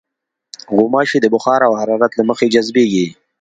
غوماشې د بخار او حرارت له مخې جذبېږي.